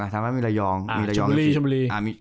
ชนบุรี